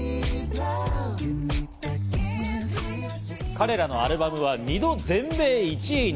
彼らのアルバムは２度、全米１位に。